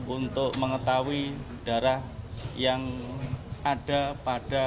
untuk mengetahui darah yang ada pada